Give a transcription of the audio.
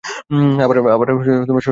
আবার সকলে ধীরে ধীরে উঠিল।